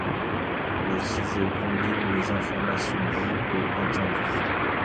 Le sujet combine les informations vues et entendues.